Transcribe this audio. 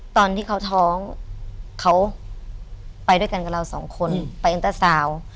ตอนที่เขาท้องเขาไปด้วยกันกับเราสองคนไปเอ็นเตอร์สาว